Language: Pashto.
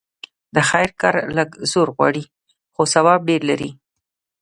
د خير کار لږ زور غواړي؛ خو ثواب ډېر لري.